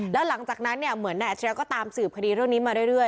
แล้วหลังจากนั้นเนี่ยเหมือนนายอัจฉริยะก็ตามสืบคดีเรื่องนี้มาเรื่อย